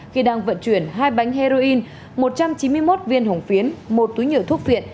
khi đang vận chuyển hai bánh heroin một trăm chín mươi một viên hồng phiến một túi nhựa thuốc phiện